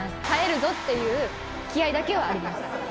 耐えるぞっていう気合いだけはあります。